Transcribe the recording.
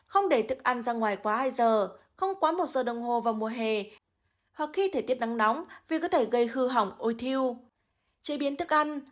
không để thức ăn ra ngoài quá hai giờ không quá một giờ đồng hồ vào mùa hè hoặc khi thời tiết nắng nóng vì có thể gây hư hỏng ôi thiêu